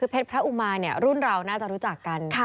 เพชรพระอุมารุ่นเราน่าจะรู้จักกัน